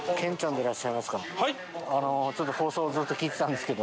ちょっと放送をずっと聞いてたんですけど。